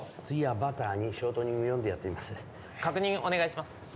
次はバター２ショートニング４でやってみます確認お願いします